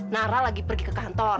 nara lagi pergi ke kantor